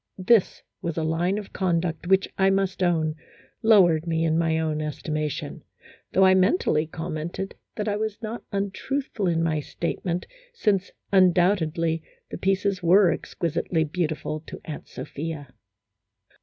This was a line of conduct which, I must own, lowered me in my own estimation, though I mentally commented that I was not untruthful in my state ment, since, undoubtedly, the pieces were "exqui sitely beautiful " to Aunt Sophia.